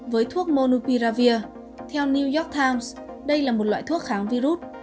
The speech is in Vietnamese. với thuốc monupiravir theo new york times đây là một loại thuốc kháng virus